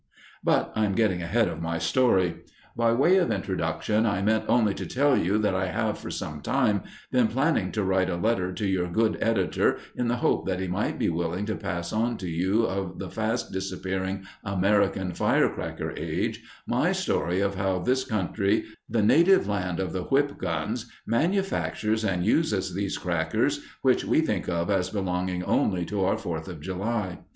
But I am getting ahead of my story. By way of introduction I meant only to tell you that I have for some time been planning to write a letter to your good editor in the hope that he might be willing to pass on to you of the fast disappearing American "firecracker age" my story of how this country, the native land of the "whip guns," manufactures and uses these crackers which we think of as belonging only to our Fourth of July.